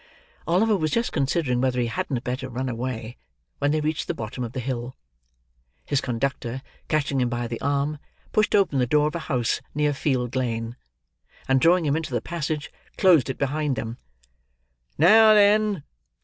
Oliver was just considering whether he hadn't better run away, when they reached the bottom of the hill. His conductor, catching him by the arm, pushed open the door of a house near Field Lane; and drawing him into the passage, closed it behind them. "Now, then!"